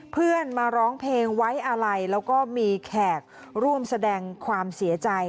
เพื่อนมาร้องเพลงไว้อาลัยแล้วก็มีแขกร่วมแสดงความเสียใจ